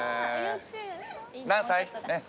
何歳？